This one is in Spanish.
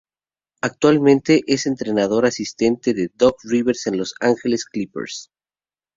Actualmente es entrenador asistente de Doc Rivers en los Los Angeles Clippers.